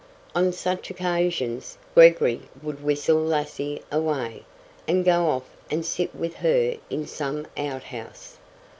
On such occasions, Gregory would whistle Lassie away, and go off and sit with her in some outhouse.